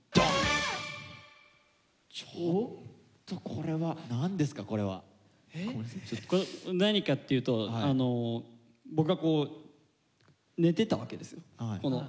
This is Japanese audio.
ちょっとこれはこれ何かっていうとあの僕がこう寝てたわけですよ。